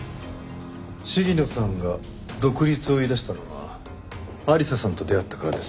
鴫野さんが独立を言い出したのは亜里沙さんと出会ってからです。